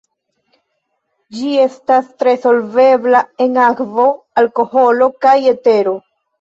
Ĝi estas tre solvebla en akvo, alkoholo kaj etero.